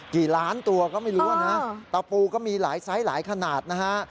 กี่ล้านตัวก็ไม่รู้นะตะปูก็มีหลายไซส์หลายขนาดนะฮะ